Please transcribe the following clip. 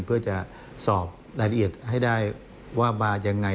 เพื่อจะสอบรายละเอียดให้ได้ว่ามายังไง